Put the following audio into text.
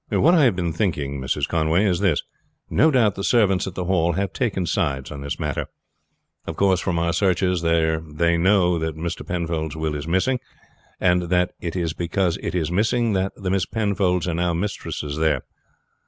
"What I have been thinking, Mrs. Conway is this. No doubt the servants at the Hall have taken sides on this matter. Of course from our searches there they know that Mr. Penfold's will is missing, and that it is because it is missing that the Miss Penfolds are now mistresses there.